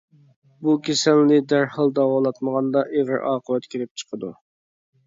بۇ كېسەلنى دەرھال داۋالاتمىغاندا ئېغىر ئاقىۋەت كېلىپ چىقىدۇ.